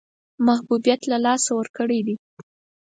محبوبیت له لاسه ورکړی دی.